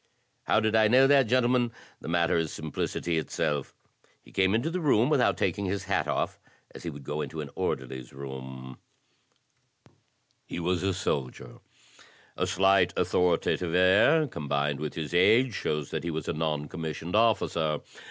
"How did I know that, gentlemen? The matter is simplicity itself. He came into the room without taking his hat off, as he would go into an orderly's room. He was a 112 THE TECHNIQUE OF THE MYSTERY STORY soldier. A slight authoritative air, combined with his age, shows that he was a non commissioned officer.